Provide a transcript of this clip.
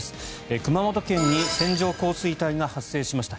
熊本県に線状降水帯が発生しました。